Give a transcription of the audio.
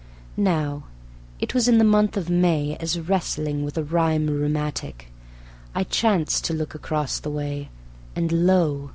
Now, it was in the month of May As, wrestling with a rhyme rheumatic, I chanced to look across the way, And lo!